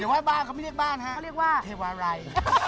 ว่าบ้านเขาไม่เรียกบ้านฮะเขาเรียกว่าเทวาลัย